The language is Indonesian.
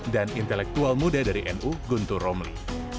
dan intelektual muda dari nu guntur romli